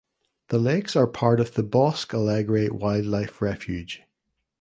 The lakes are part of the Bosque Alegre Wildlife Refuge.